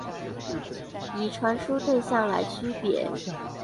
以傳輸對象來區別